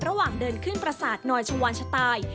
ระหว่างเดินขึ้นประสาทนอยชวานชะตาย